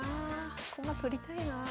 駒取りたいな。